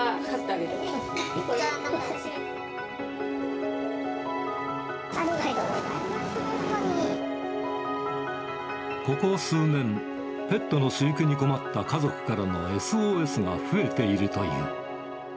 ありがとうございます、ここ数年、ペットの飼育に困った家族からのＳＯＳが増えているという。